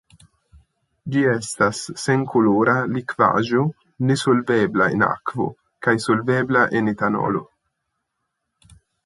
Ĝi estas senkolora likvaĵo nesolvebla en akvo kaj solvebla en etanolo.